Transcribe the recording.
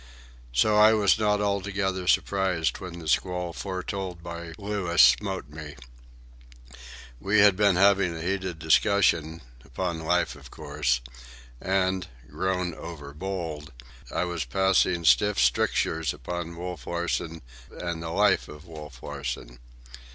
So I was not altogether surprised when the squall foretold by Louis smote me. We had been having a heated discussion,—upon life, of course,—and, grown over bold, I was passing stiff strictures upon Wolf Larsen and the life of Wolf Larsen.